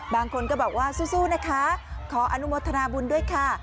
บางคนก็บอกว่าสู้นะคะขออนุโมทนาบุญด้วยค่ะ